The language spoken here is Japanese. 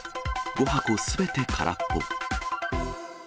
５箱すべて空っぽ。